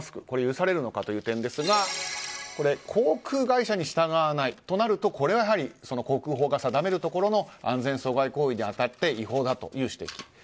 これは許されるのかという点ですが航空会社に従わないとなると航空法が定めるところの安全阻害行為に当たって違法だという指摘。